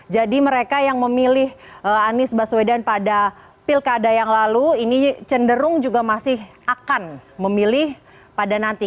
jadi mereka yang memilih anies baswedan pada pilkada yang lalu ini cenderung juga masih akan memilih pada nanti